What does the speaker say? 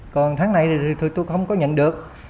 còn tháng này thì tôi không có nhận được